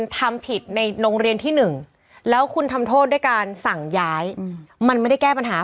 ทำผิดในโรงเรียนที่๑แล้วคุณทำโทษด้วยการสั่งย้ายมันไม่ได้แก้ปัญหา